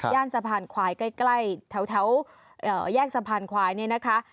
ย่านสะพานขวายใกล้แถวแยกสะพานขวายนี่นะคะ